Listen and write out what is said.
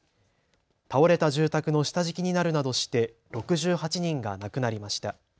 倒れた住宅の下敷きになるなどして６８人が亡くなりました。